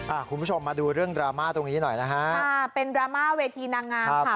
คุณผู้ชมมาดูเรื่องดราม่าตรงนี้หน่อยนะฮะค่ะเป็นดราม่าเวทีนางงามค่ะ